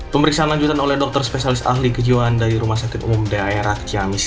pemeriksaan lanjutan oleh dokter spesialis ahli kejiwaan dari rumah sakit umum daerah ciamis